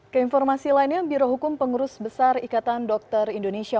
keinformasi lainnya biro hukum pengurus besar ikatan dokter indonesia